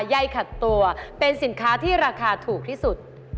ใยขัดตัวเป็นสินค้าที่ราคาถูกที่สุด